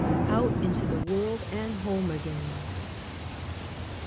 OUT INTO THE WOELD AND HOME AGAIN.